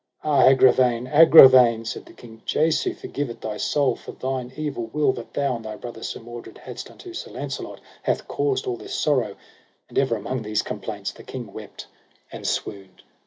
Ah Agravaine, Agravaine, said the king, Jesu forgive it thy soul, for thine evil will, that thou and thy brother Sir Mordred hadst unto Sir Launcelot, hath caused all this sorrow: and ever among these complaints the king wept and swooned.